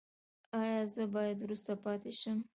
ایا زه باید وروسته پاتې شم؟